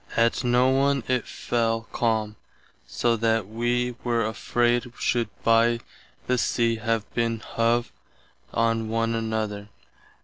Att noone it fell calme, so that [wee] were affraid should by the sea have been hove on one another.